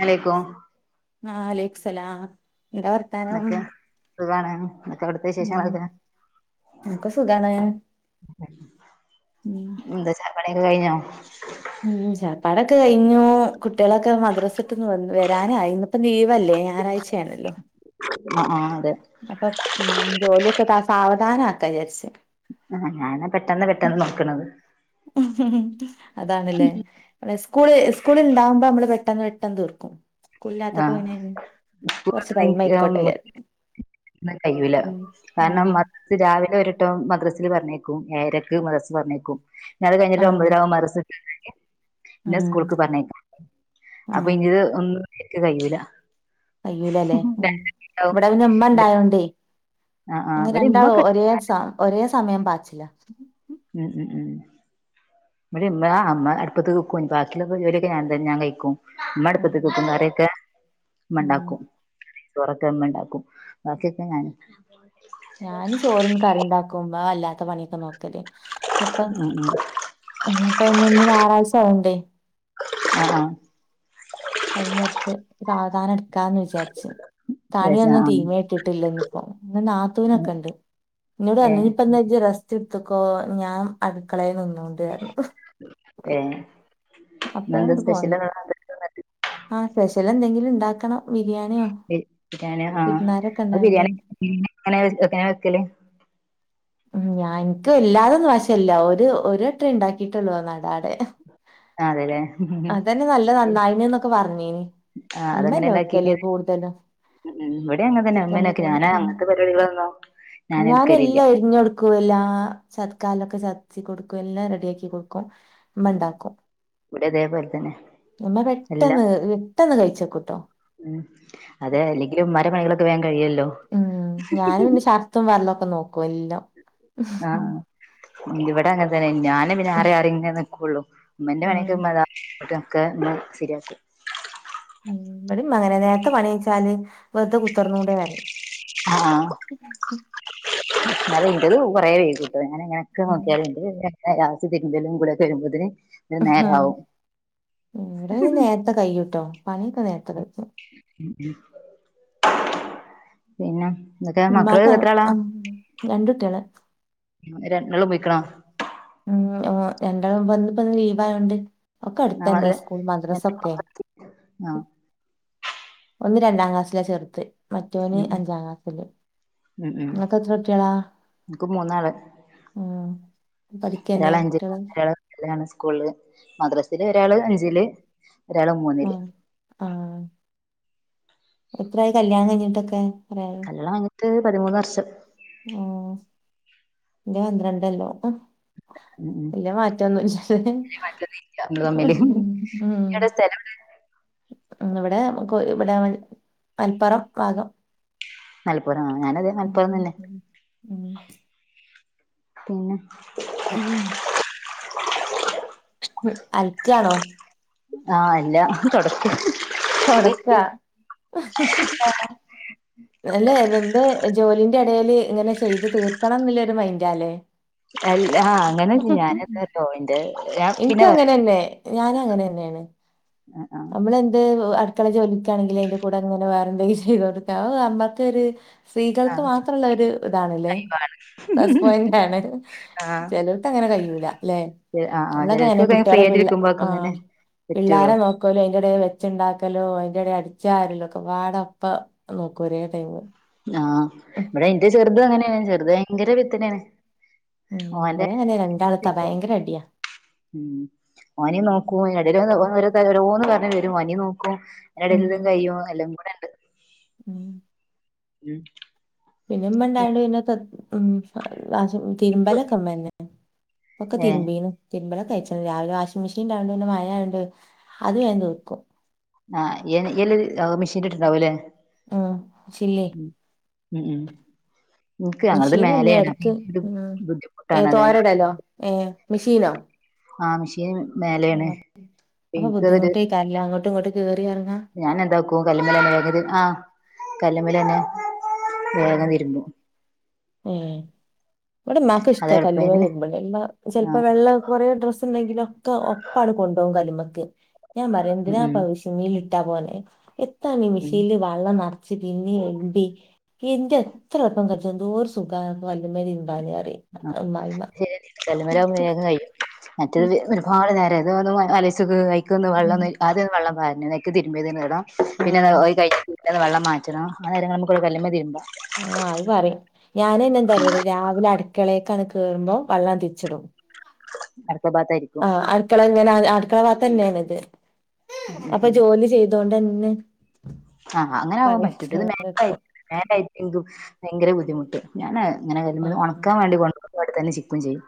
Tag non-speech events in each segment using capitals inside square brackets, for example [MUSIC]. അലൈക്കും ആഹ് വലയ്ക്കുമുസ്ലാം എന്താ വർ എന്തൊക്കെ സുഖാണ് എന്തൊക്കെ അവിടത്തെ വിശേഷൾ ഒക്കെ ഒക്കെ സുഖാണ്. [UNINTELLIGIBLE] കയ്ഞ്ഞോ ഉം ഷാപ്പാടൊക്കെ കഴിഞ്ഞു കുട്ടികളൊക്കെ മദ്രസട്ട്ന്ന് വെന്ന് വെരാനായ്ണ്. ഇപ്പൊലീവല്ലേ ഞായറാഴ്ചയാണല്ലോ ആഹ് ആഹ് അതെ അപ്പം ഉം ജോലിയൊക്കെ സാവധാനക്കാ വിചാരിച്ച്. അല്ല ഞാനാപെട്ടെന്ന് പെട്ടെന്ന് നോക്ക്ണ‌ത്. അതാണ്ല്ലേ ന്നെ സ്കൂള് സ്കൂള് ഇണ്ടാവകുമ്പോ അമ്മള് പെട്ടെന്ന് പെട്ടെന്ന് തീർക്കും. ആ സ്കൂളില്ലാത്തപോ പിന്നെ അയ്ന് കൊർച്ച് ടൈം ആയിക്കോ വിജാർ ന്ന കയ്യൂല ഉം കാരണം മ രാവിലെ ഒരെട്ടം മദ്രസ്ൽ പറഞ്ഞേക്കും ഏയരക്ക് മദ്രാസ്ൽ പറഞ്ഞേക്കും. ഞത് കഴിഞ്ഞിട്ട് ആഹ് ഒബെതെരാവും മദറസ്സ് വിട്ട്ണ്ടെങ്കി പിന്നെ ആഹ് സ്കൂൾക്ക് പറഞ്ഞേക്ക്‌ അപ്പൊ ആഹ് ഇന്റ്ത് ഒന്ന് ഇൻക്ക് കയ്യൂല. കയ്യൂലലേ ഉം ഇവടെന്നെ ഇമ്മ ഇന്റെ- ഇണ്ടായോണ്ടേ ആ ആ ഇങ്ങ് ഇവിടെ രണ്ടാളും ഇമ്മൊക്കെ ഉണ്ട്. ഒരേസ ഒരേ സമയം പാച്ചില. ഉം ഉം ഉം ഇവടെമ്മ ഇമ്മ അടുപ്പത്ത്നിക്കും ബാക്കിയുള്ള ജോലൊക്കെ ഞാൻതെ ഞാൻകയ്ക്കും. ഇമ്മ ഉം അട്പ്പത്ത്ക്ക്‌ നിക്കും കറിയൊ ഉം ഇമ്മണ്ടാക്കും. ചോറൊക്കെ ഇണ്ടാക്കും ബാക്കിയൊക്കെ ഞാന്. ഞാന് ചോറും കറി ഇണ്ടാക്കും ഇമ്മ അല്ലാത്ത പണിയൊക്കെ നോക്കല്. ഉം ഉം ഉം പ്പന്ന് ഞായറാഴ്ച ആയോണ്ടേ ആഹ് ആഹ് ടൈമ് കൊർച്ച് സാവധാനം ഇട് ക്കാന്ന് വിചാരിച്ചു ത ആ കറിയൊന്നും ആ തീമെട്ട്ട്ടില്ലന്ന്പ്പോ ഇന്ന്ന്നാത്തൂനൊക്കെ ഇണ്ട്. ഇഞ്ഞോട് ഏ പറഞ്ഞുഞ്ഞിപ്പന്ന്ജ്ജ് രെസ്റ്റ് എടുത്ത്ക്കോ ഞാൻ അടുക്കളെൽ നിന്നോണ്ട്ർഞ്ഞു. ഏഹ് അപ്പഞ്ഞാങ്ങട്ട് പോന്ന. ആഹ് പെഷ്യലെന്തെങ്കിലും ഇണ്ടാക്കണം. ബിരിയാണി ആഹ് വിരുന്നാരൊക്കെ ഇങ്ങൾ ഉണ്ടായോണ്ട് ബിരിയാണി എങ്ങനെ വെക്കല്? ആഹ് ഞാ ഇൻക്ക് വല്ലാതൊന്നും വശല്ല ഒര് ഒരെട്ടേ ഇണ്ടാക്കിട്ടൊള്ളൂഒന്നടാട്. ആതെലെ അതെന്നെ ന്നല്ലെ നന്നായ്ന്ന്നൊക്കെ പറഞ്ഞീനിം. ആ അതെങ്ങനെ ഇമ്മനെ ഉണ്ടാക്കീന് വെക്കെല് കൂട്തലും. ഉം ഇവിടെഅങ്ങന് തെന്നെ ഇമ്മേനൊവെക്കെല് ഞാന്അങ്ങത്തെ പരിപാടികളൊന്നും ഞാന് ഇട്ക്കാ എല്ലാം അരിഞ് കൊടുക്കും എല്ലാ ചതക്കല്ലൊക്കെചതക്കും എല്ലാ കൊടുക്കും എല്ലാംറെഡിയാക്കി കൊട്ക്കും. ഇമ്മണ്ടാക്കും ഇവിടെ അതേപോലെ തന്നെ ഇമ്മ എല്ലാം പെട്ടെന്ന് പെട്ടെന്ന് കയ്ച്ചെക്കുട്ടോ. ഉം അതെ അല്ലെങ്കിലും ഇമ്മരെ പ്പണികളൊക്കെ വേമ് കയിയല്ലോ? ഉം ഞാന് പിന്നെ ശർത്തും ഫർളൊക്കെ നോക്കു എല്ലം. ഇവടെ അങ്ങന് തെന്നെ ഞാന് പിന്നെ ഉം ആറി അറിയൊക്കെ നിക്കുള്ളൂ ഇമ്മന്റെ പണിയൊക്കെ ഉം. ഇമ്മതാ തൊക്കെക്കെ മ് സെരിയാക്കും. ബടിം മ്മ അങ്ങനെ നേരത്തെ പണിച്ചാല് വെറുതെകുത്തർന്നൂടെറിം. ആഹ് ന്നാൽ ഇന്റത് കൊറേ വേകി ഞാാന ഇങ്ങനൊക്കെ ഉം നോക്കിയറുണ്ട് അവ തിരുന്തലും കൂടെ കഴുമ്പോതിന് ആഹ് ഇവിടെ നേരത്തെ കയ്യൂട്ടോ പണിയൊക്കെ നേരത്തെ കഴിക്കും ഉം ഉം പിന്നെ എന്തൊക്കെ മക്കള് ഉമ്മാക്ക് എത്ര ആളാ ഉം. രണ്ട് കുട്ടികള് രണ്ടളും പോയിക്ക്ണ ഉ ഓ രണ്ടാ മുമ് വന്ന ഇപ്പന്ന് ലീവ് ആയോണ്ട് ഒക്കെ അടുത്തന്നെ നാളെ സ്കൂൾ മദ്രസ ഒക്കെ ആഹ് ഒന്ന് രണ്ടാം ക്ലാസ്സിലാ ചെറുത് മറ്റവന് ഉം അഞ്ചാം ക്ലാസ്സില് ഉം നിങ്ങക്ക് എത്ര കുട്ടികളാ പഠിക്കന്നെ ഒരാള അഞ്ച കുട്ട്യാള് ഒരാൾ അതാണ് സ്കൂള് മദ്രാസില് ഒരാള് അഞ്ചില് ഒരാള് മൂന്നില് ഉം ആഹ് എത്രയി കല്യാണം കഴിഞ്ഞിട്ടൊക്കെ കൊറെയോ ഇവിടെ വന്നിട്ട് പതിമൂന്ന് വർഷം ആഹ് ഇന്റെ പന്ത്രണ്ടല്ലോ ആഹ് ഉം ഉം എല്ല മാറ്റൊന്നുല്ല നമ്മള് തമ്മില് മാറ്റൊന്നുലല്ല എവിടെ സ്ഥലം ഉം ഉം ഇവിടെ ഇവിടെ മൽപ്പറം ഭാഗം മലപ്പുറം ഞാനതെ ഉം മലപ്പുറം തന്നെ ഉം പിന്നെ ഉം [UNINTELLIGIBLE] ഉം അൽക്കാണോ ആഹ് അല്ല തൊടക്കാ തൊടക്കാ അല്ലെ നിന്റെ ജോലിന്റെ ഇടൽ ഇങ്ങനെ ചെയ്ത് തീർക്കണം എന്നില്ല ഒരു മൈൻഡല്ലേ അ ആഹ് അങ്ങനെല്ല ഞാന തോന്നിണ്ട് ഞാൻ എനിക്ക് പിന്നെ അങ്ങനെ പറഞ്ഞ തന്നെ ഞാൻ അങ്ങനെ തന്നെയാണ് ആഹ് ആഹ് നമ്മളെന്ത് അടുക്കള ജോലിക്കാണെങ്കിൽ അതിന്റെ കൂടെ അങ്ങനെ വേറെ എന്തെങ്കിലും ചെയ്തു കൊടുക്ക അത് നമ്മക്കൊരു ആ സ്ത്രീകൾക്ക് മാത്രള്ള ഒരു ഇതാണല്ലേ പ്ലസ് പോയിന്റ് ആണ് ആഹ് ചേലോ അങ്ങനെ കഴൂലല്ലെ ആ ആ നമ്മളൊക്കെ അങ്ങനെ ചിലർക്കൊക്കെ ഫ്രീ കുട്ടികളെ പി ആയിട്ട് ഇരിക്കുമ്പോക്കെ ആ ഇങ്ങനെ പറ്റുള്ളൂ പിള്ളോരെ നോ ക്കെ ഓല് അയിന്റ എടേല് വെ വെച്ച്ണ്ടാക്കലോ അതിന്റെടെ അടിച്ച് വാരല് ഒക്കെ. പാട ഒപ്പം നോക്കും ഒരേ ടൈമ് ആഹ് ഇവിടെ എന്റെ ചെറുത് അങ്ങനെയാണ് ചെറുത് ഭയങ്കര പിത്തനെയാണ് ഉം ഇവിടെങ്ങനെ രണ്ടാള്ത്താ ഭയങ്കരം അടിയാ ഉം ഓനിം നോക്കും അതിന്റെ എടേൽ ഒരോന്ന് പറഞ്ഞ് വരും ഓനി നോക്കൂ ക്കും അതിന്റെ ഇടേൽ ഉം ഇതും കഴിയും എല്ലാം കൂടെ ഉണ്ട് ഉം ഉം പിന്നെ ഇമ്മണ്ടായണ്ട് പിന്നെ ഉം വാശി തിരുമ്പലൊക്കെ. ഇമ്മന്നെ ഒക്കെ ഏ തിരുമ്പീണ് തിര്മ്പലൊക്കെ കഴിച്ച്ണ് രാവിലെ വാഷിംഗ് മെഷീൻണ്ടായൊണ്ട് മഴആയോണ്ട് അത് വേഗം തീർക്കും ആ ഇയ്യ് ഇയ്യ് മെഷീൻ ഇട്ടുണ്ടാവും ഇല്ലേ ആഹ് [UNINTELLIGIBLE] ഉം ഉം ഇൻക്ക് ഞങ്ങളത് മെഷീൻന്നെ മേലെയാണ് അപ്പൊ എടുക്ക് ഇൻക്കൊരു ഉം ബുദ്ധിമുട്ടാണ് ഏഹ് അതായത് തോരടല്ലോ ഏഹ് മെഷീനോ ആഹ് മിഷീന് മേലെയാണ് അപ്പം അപ്പൊ ഇൻക്ക് അത് ഒര് ബുദ്ധിമുട്ടേക്കാരംല്ലേ അങ്ങോട്ടും ഇങ്ങോട്ടും കേറി എറങ്ങാൻ ഞാൻ എന്താക്കും കല്ലമ്മലന്നെ വേഗം ആഹ് കല്ലമ്മലന്നെ ഉം വേഗം തിരുബ്ബും ഏഹ് ഇവിടെ അത് ഇമ്മാക്ക്ഷ്ട്ടാ കല്ല്മ്മെ എളുപ്പത്തിന് തിരുമ്പ്ണത് ഇമ്മ ആ ചിലപ്പോ വെളളം കുറെ ഡ്രസ്സ് ഉണ്ടെങ്കിലൊ ഒക്കെ ഒപ്പാണ്ട് കൊണ്ടോകും കല്ല്മക്ക് ഞാൻ ഉം പറയുന്തിനാ ഉം ആവി ൽ ഇട്ടാ പോരെ എത്താണ്ണി ഉം, മെഷീനിൽ വെള്ളം പിന്നെ ഒലിമ്പി എന്റെ എത്ര എളുപ്പം കച്ചും എന്തോരു സു സുഖ കല്ലുമല് തിമ്പാന്ന്ന് പറയും അമ്മായിമ്മ കല്ല്മല വേഗം കഴും മറ്റത് ഒരുപാട് നേരം ഇത് ഒന്ന് ആലോചിച്ചോക്ക് അയ് കൊന്ന് ഉം. വെള്ളൊന്ന് ആദ്യം ഒന്ന് വെള്ളം പാരണം അയിക്ക് തിരുമ്പ്തിന്നടണം ആ പിന്നെ അയ് കയിഞിട്ട് വെള്ളം മാറ്റണം അന്നേര കൊണ്ട് നമുക്ക് ഒരു കല്ല്മ തിരിമ്പാ ആ അത് പറയും ഞാനന്നെ തര രാവിലെ അടക്കളക്കാണ് കേറുമ്പോൾ വെള്ളം തിരിച്ചിടും അടുത്ത ഭാകത്തായിരിക്കും ആ അടുക്കള ഇങ്ങനെ അടുക്കള ഭാത്ത തന്നെയണ ഇത് ഉം ഉം അപ്പൊ ഉം. ജോലി ചെയ്ത് അതുകൊണ്ടെന്നെ ആ അങ്ങനെ ആവാൻ പറ്റൂട്ടെ ഇത് മേത്ത് ആയിട്ട് എടുക്കും മോലെ ആയിട്ട് ഭയങ്കരം ബുദ്ധിമുട്ട് ഞാൻ ഇങ്ങനെ വരു ആ ഉണക്കാൻ വേണ്ടി കൊണ്ട ഇവിടതന്ന ചിക്കും ചെയ്യും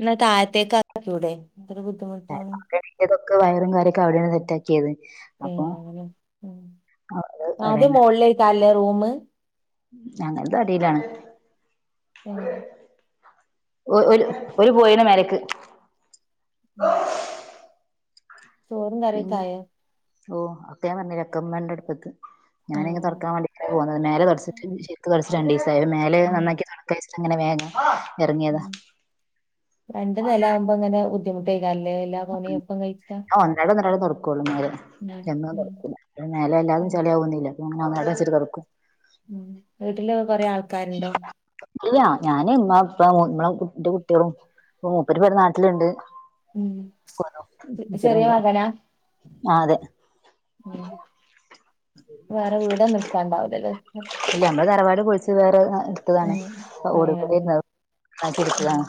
എന്ന താഴത്തേക്ക് എറക്കിക്കുടെ ഇത്ര ബുദ്ധിമുട്ടാണ് ഇതൊക്കെ വയറും കാര്യൊക്കെ അവിടെയാണ് സെറ്റാക്കിയത് അപ്പൊ ഉം ഉം അത് അദ്യം മോളിലേക്കരം ഇല്ലേ റൂം ഞങ്ങളത് അടിയിലാണ് ഏഹ് ഒരു ഒരു പോയിണ് മേലക്ക് ഉം ചോറും പിന്നെ കറിയൊക്കായ ഓ ഒക്ക ഞാൻ പറഞ്ഞില്ലേ ഒക്ക ഇമ്മയുണ്ട് അടുപ്പത്ത് ഞാനങ്ങ ആഹ് തുറക്കാൻ വേണ്ട പോന്നത് മേല തുടച്ചിട്ട് ശരിക്ക് തുടച്ചിട്ട് രണ്ടീസിയി ആ മേലെ ഉം നന്നാക്കി അങ്ങനെ വേഗം ഇറങ്ങിയതാ ഉം രണ്ട് നില ആകുമ്പോ ഇങ്ങനെ ബുദ്ധിമുട്ടേകല്ലാ എല്ലാം പണിയും ഒപ്പം കഴിക്കാൻ എല്ലാന്ന് തൊടക്കൂല മേലെഎല്ലാതും ചെളിയവുന്നില്ല അതൊണ്ട് മെലച്ചിരി തൊടക്കും ഉം വീട്ടില് കൊറെ ആള്ക്കാരുണ്ടോ ഇല്ല ഞാന് ഇമ്മ ഇപ്പ നമ്മളെ ഇന്റ കുട്ടി ആളും മൂപ്പര്ഇവിടെ നാട്ടിലുണ്ട് ഉം ചെ- ചെറിയ മൂപ്പരുണ്ട് മകനാ ആ അതെ വേറെ വീടൊ ഒന്നും എടുക്കാൻ ഉണ്ടാവൂലെലേ ഇല്ല മ്മള് തറവാട് പൾച്ച് വേറെഅ ട്ത്തതാണ് ഉം ഏഹ് അങ്ങനെ ഓട്പട്യേര്ന്നു അഅ് ഉം ചെരിച്ചതാണ്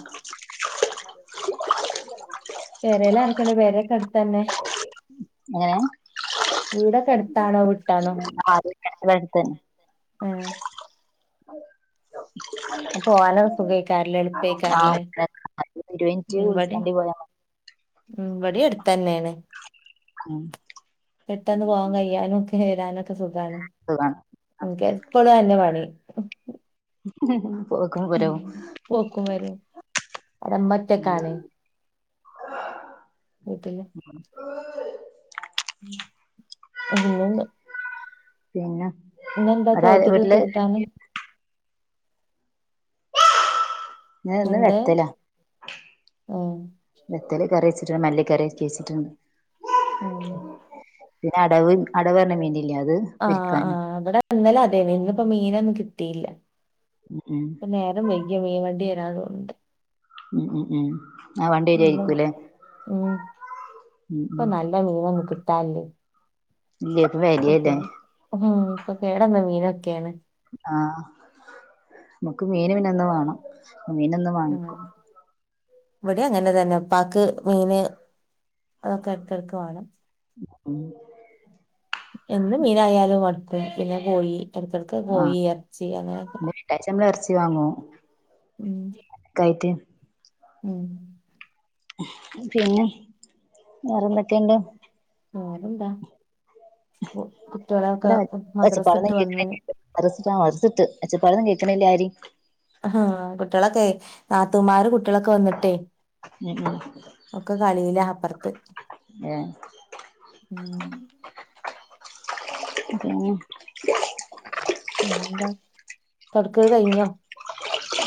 പെരേലാരക്കെള്ളഅ് പെരക്കെ അട്ത്തന്നെ എങ്ങനെ വ്ടെക്കെടുത്താണോ വിട്ടാണോ ആ അത് ഇവിടെ അടുത്ത് തന്നെ ആഹ് അപോവാനോ സുഖയ്ക്കാര്ല്ലേ എളുപ്പ യ്ക്കാര്ല്ലേ ഇര്യുൻറ്റ് താണ്ടി പോയ ഉം വെടിട്ത്തന്നെണ് മ് പെട്ടെന്ന് പോവാകയ്യാനുക്കെ വരാനൊക്കെ സുഖാണ് സുഖാണ് ൻക്കെപ്പളു അയ്ന്നെ പണി പോക്കും വരവും പോക്കും വരവും അവ്ടെമ്മറ്റക്കാണ് വീട്ടിൽ [UNINTELLIGIBLE] പിന്ന ഇന്നെന്താ ഒരാല് ചോറ്റ്ക്ക് വീട്ടില് കൂട്ടാന് ഞന് ന്ന് എന്ത് നെറ്റലാ ഉം നറ്റല് കറി വെച്ചിട്ടൺ മല്ലിക്കറിയാക്കി ച്ചിട്ട്ണ്ട് ഉം പിന്നെ അടവ് അടവ് വർണ മീൻ്റില്ലേ അത് ആഹ് പൊരിക്കാനും ആഹ് വ്ടെ ഇന്നലെ അതെന്ന് ഇന്ന്പ്പോ മീനന്നും കിട്ടീല്ല ഉം പ്പനേരം വൈക്യ മീൻ വണ്ട്യേരാ തോന്ന്ണ്ട് ഉം ഉം ഉം ആഹ് വണ്ടി എന്നും ര്യേയ്രിക്കുല്ലേ ഉം ഉം ല്ല മീനന്നുംകിണ്ടാല്ല ല്യേ പ് വേ പ്പക്കേണ് ഹും ഇപ്പ കേടന്ന മീനൊക്കേണ് ആഹ് മ്ക്ക് മീന് പിന്നെന്നും വാണം മീന ന്നും വാങ്ങിക്കും ഇവടി അങ്ങനെ തന്നെ പാക്ക് മീന് അതൊക്കെ എട്ക്കട്ക്ക് വാണം ഉം എന്ത് മീനായാലു മട്ക്കും പിന്നെ കോയി എട്ക്കട്ക്ക് കോയി എർച്ചി അങ്ങനൊക്കെ ഏച്ചമ്മ്ള് എർച്ചി വാങ്ങോ ഉം കൈറ്റ് ഉം പിന്നെ വേറെന്തെക്കെണ്ട് വേറന്താ കു കുട്ടേളക്കെ മദ്രസട്ട് വന്ന് അരസ്റ്റാൾസ്ട്ട് എച്ചപ്പാടന്നും കേക്ക്ണില്ലേ ആരിം അഹാ കുട്യോളക്കയ് നാത്തൂമാര് കുട്യോളക്കെ വന്ന്ട്ടെയ് ഉം ഉം ഒക്ക കളിലാ അപ്പർത്ത് ഏഹ് ഉം ഉം ഇഞ്ഞെന്താ തൊട്ക്കല് കയ്ഞ്ഞോ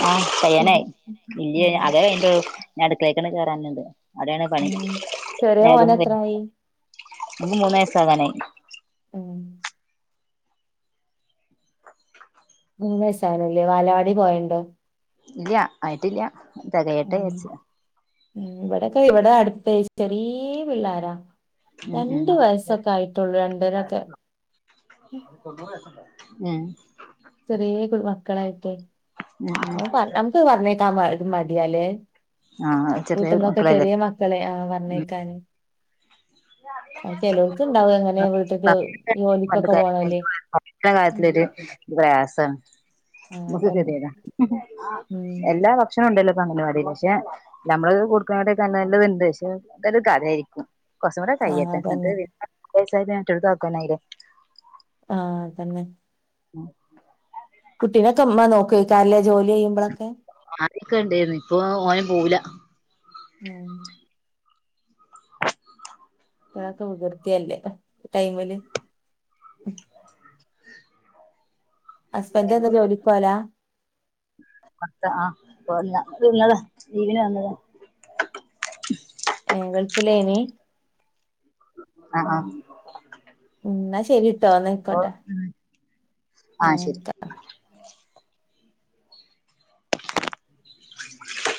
ആഹ് കയ്യാനായ് ഇല്യ അഗെ കൈഞ്ഞ്ട്ടൊള്ളു ഞ്അട്ക്കളേക്കന്ന് കേറാന്ണ്ട് അടൊണ് പണി ഉം ചെറിയ മോന് നേതൊന്നും നക്ക് എത്രായി ഞ്മൂന്നയസ്സാകാനായി ഉം മൂന്നയസ്സാണ്ല്ലേ വാലവാടി പോയണ്ടോ ല്യാ ആയിറ്റില്യ ഉം ഉം വ്ടക്കെ ഇവിടെ അട്ത്തൈ ഇസ്റ്ററീം പിള്ളാരാ ഉം ഉം രണ്ട് വയസ്സൊക്കായിറ്റൊള്ളൂ രണ്ടരക്കെ എ ചെറീയ കു മക്കളായിറ്റേ ഉം ഉം അവം പർ നമ്ക്ക് പർഞ്ഞേക്കാം മട് മടിയാലേ ആഹ് ചെറിയ വീട്ട്ന്നൊക്കെ മക്കളല്ലേ ചെറിയ മക്കളെ ആഹ് പർഞ്ഞയ്ക്കാന് ചലവത്ണ്ടാവും എങ്ങനെ വിടത്തെ ജോലിക്കപ്പൊക്കെ പോണല്ല് [UNINTELLIGIBLE] പൃയാസം ആ മുരി അതന്നെ ഉം എല്ലാ. ഭക്ഷണം ഉണ്ടല്ലോ അംഗനവാടി പക്ഷെ നമ്മള് കൊടുക്കുന്നക്കെ നല്ലത്ണ്ട് പക്ഷെ അതൊരു കഥയായിരിക്കും. കുറച്ച് കൂടെ ആ കയ്യേട്ടെ നട്ട് അതന്നെ എടുത്ത്ക്കായിേ. ആഹ തന്നെ. ഉ. കുട്ടിനെൊക്കെമ്മ നോക്കാ അല്ല ജോലി ചെയ്യുമ്പോഴൊക്കെ. ആദ്യൊക്കെ ഉണ്ടായിരുന്നു ഇപ്പൊ ഓനും പോവുല. ഉം. വല്ലാത്ത വികൃതി അലോ ഇ ടൈമില്. ഹസ്ബൻഡറ് എന്താ ജോലിക്ക് പോല. [UNINTELLIGIBLE] വന്നതാ ലി വിന് വന്നത്. ഗൾഫിൽ എയിന്. ആഹ് ആഹ് എന്നാ ശരി ടോ ന ഓ ആയിക്കോട്ടെ ആഹ് ശരി ആഹ. [INAUDIBLE]